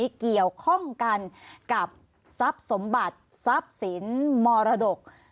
เกี่ยวข้องกันกับทรัพย์สมบัติทรัพย์สินมรดก